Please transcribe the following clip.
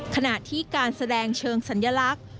ขณะที่การแสดงเชิงสัญลักษณ์